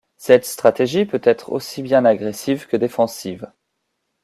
Cette stratégie peut être aussi bien agressive que défensive.